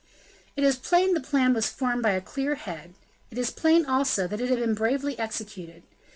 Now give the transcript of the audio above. It is plain the plan was formed by a clear head; it is plain, also, that it had been bravely executed.